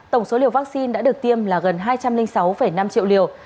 tổng số liều vaccine đã được tiêm là gần hai trăm linh sáu năm triệu liều